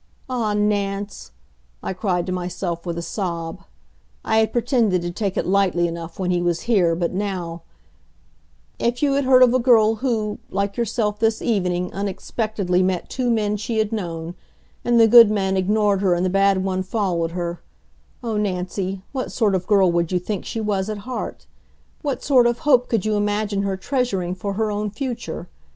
"Ah, Nance," I cried to myself with a sob I had pretended to take it lightly enough when he was here, but now "if you had heard of a girl who, like yourself this evening, unexpectedly met two men she had known, and the good man ignored her and the bad one followed her oh, Nancy what sort of girl would you think she was at heart? What sort of hope could you imagine her treasuring for her own future?